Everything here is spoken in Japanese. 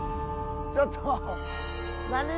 ちょっと何？